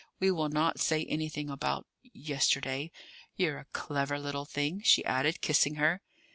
We will not say anything about yesterday. You're a clever little thing," she added, kissing her.